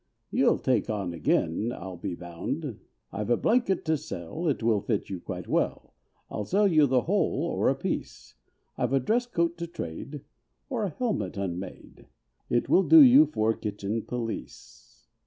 You'll take on again I'll be bound; I've a blanket to sell, it will fit you quite well, I'll sell you the whole or a piece. I've a dress coat to trade, or a helmet unmade, It will do you for kitchen police."